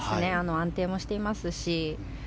安定もしていますし。